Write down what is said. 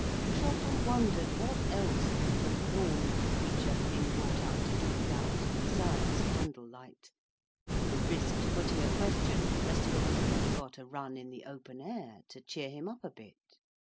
Trottle wondered what else the forlorn little creature had been brought up to do without, besides candle light; and risked putting a question as to whether he ever got a run in the open air to cheer him up a bit.